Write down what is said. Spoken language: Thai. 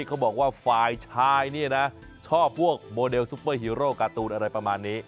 เขาบอกว่าฝ่ายชายเนี่ยนะชอบพวกโมเดลซุปเปอร์ฮีโร่การ์ตูนอะไรประมาณนี้